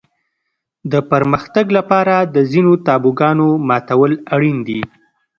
د پرمختګ لپاره د ځینو تابوګانو ماتول اړین دي.